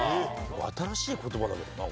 新しい言葉だけどな。